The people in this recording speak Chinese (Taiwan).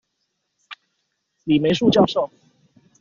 李梅樹教授